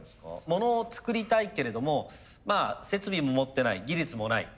モノを作りたいけれどもまあ設備も持ってない技術もない。